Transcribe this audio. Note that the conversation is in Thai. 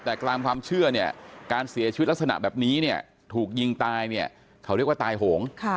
แต่ตามความเชื่อเนี่ยการเสียชีวิตลักษณะแบบนี้เนี่ยถูกยิงตายเนี่ยเขาเรียกว่าตายโหง